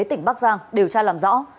tỉnh bắc giang điều tra làm rõ